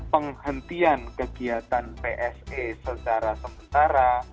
penghentian kegiatan pse secara sementara